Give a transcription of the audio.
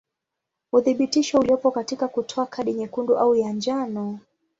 Uthibitisho uliopo katika kutoa kadi nyekundu au ya njano.